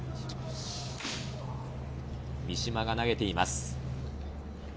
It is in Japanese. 三嶋が投げています。